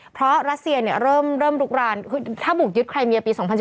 เพราะตอนนี้เดี๋ยวราเซียเริ่มปลุกรานถ้าบุกยึดไครเมียปี๒๐๑๔